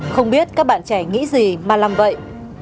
không biết các bạn trẻ nghĩ gì mà làm vậy